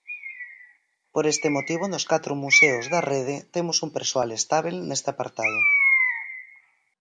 Por este motivo nos catro museos da Rede temos un persoal estábel neste apartado.